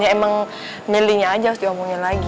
ya emang melly nya aja harus diomongin lagi